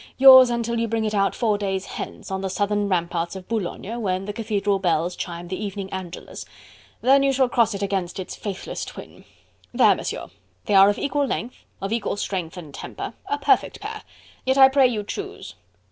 yours until you bring it out four days hence on the southern ramparts of Boulogne, when the cathedral bells chime the evening Angelus; then you shall cross it against its faithless twin.... There, Monsieur they are of equal length... of equal strength and temper... a perfect pair... Yet I pray you choose."